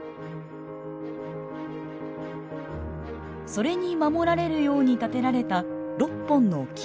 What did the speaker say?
それに守られるように建てられた６本の木の柱。